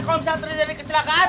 kalau misalnya terjadi kecelakaan